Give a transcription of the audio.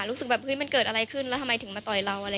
รู้สึกแบบเฮ้ยมันเกิดอะไรขึ้นแล้วทำไมถึงมาต่อยเราอะไร